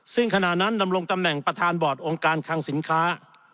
ซึ่งขณะนั้นดำรงตำแหน่งประธานบอร์ดองค์การคังสินค้า